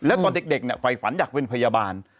แล้วตอนเด็กฝ่ายฝันอยากเป็นพยาบาล